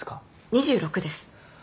２６です。